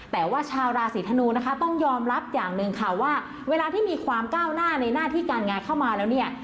แต่ว่าชาวราศีธนูนะคะต้องยอมรับอย่างหนึ่งค่ะว่าเวลาที่มีความก้าวหน้าในหน้าที่การงานเข้ามาแล้วเนี่ย